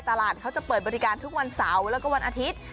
ตลาดเขาจะเปิดบริการทุกวันเสาร์แล้วก็วันอาทิตย์